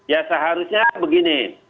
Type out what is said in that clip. ya seharusnya begini